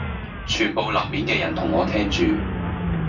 全部樓面嘅人同我聽住